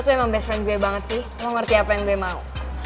lo tuh emang best friend gue banget sih lo ngerti apa yang gue mau